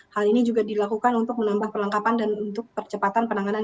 hal ini juga dilakukan untuk menambah perlengkapan dan untuk percepatan penanganan